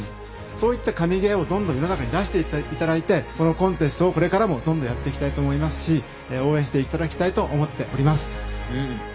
そういった神ゲーをどんどん世の中に出して頂いてこのコンテストをこれからもどんどんやっていきたいと思いますし応援して頂きたいと思っております。